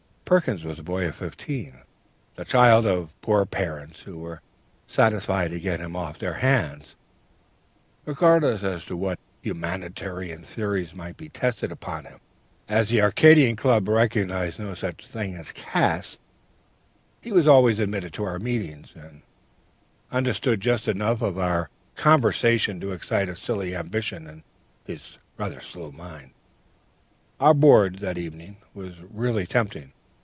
Perkins was a boy of fifteen, the child of poor parents, who were satisfied to get him off their hands, regardless as to what humanitarian theories might be tested upon him. As the Arcadian Club recognized no such thing as caste, he was always admitted to our meetings, and understood just enough of our conversation to excite a silly ambition in his slow mind.... "Our board, that evening, was really tempting.